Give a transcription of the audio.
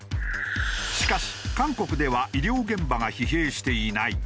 しかし韓国では医療現場が疲弊していない。